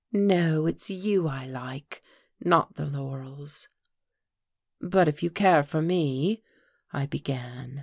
"No, it's you I like not the laurels." "But if you care for me ?" I began.